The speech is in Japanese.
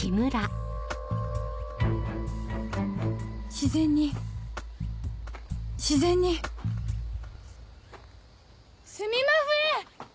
自然に自然にすみまふぇん！